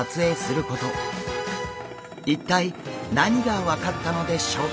一体何が分かったのでしょうか！？